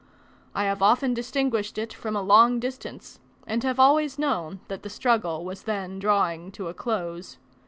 I have often distinguished it from a long distance, and have always known that the struggle was then drawing to a close.